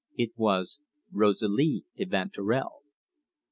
It was Rosalie Evanturel.